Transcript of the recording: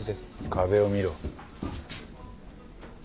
壁を見ろ。